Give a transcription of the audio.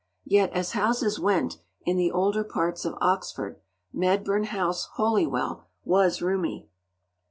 Yet as houses went, in the older parts of Oxford, Medburn House, Holywell, was roomy.